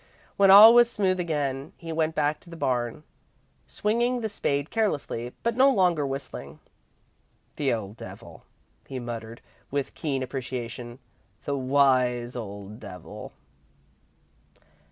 When all was smooth again, he went back to the barn, swinging the spade carelessly but no longer whistling. "The old devil," he muttered, with keen appreciation. "The wise old devil!"